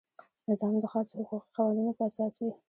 نظام د خاصو حقوقي قوانینو په اساس وي.